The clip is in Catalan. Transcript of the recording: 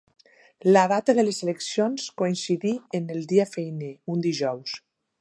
La data de les eleccions coincidí en dia feiner, un dijous.